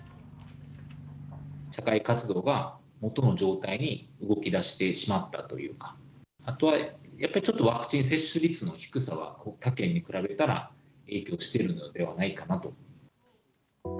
社会活動が元の状態に動きだしてしまったというか、あとはやっぱりワクチン接種率の低さは、他県に比べたら影響しているのではないかなと。